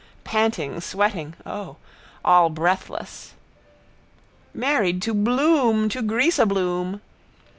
panting, sweating (O!), all breathless. Married to Bloom, to greaseabloom.